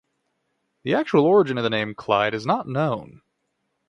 The actual origin of the name "Clyde" is not known.